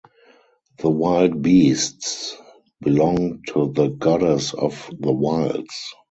The wild beasts belong to the goddess of the wilds.